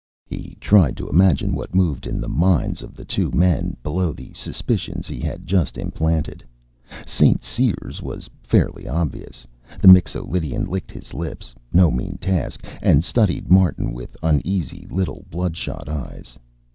He tried to imagine what moved in the minds of the two men, below the suspicions he had just implanted. St. Cyr's was fairly obvious. The Mixo Lydian licked his lips no mean task and studied Martin with uneasy little bloodshot eyes.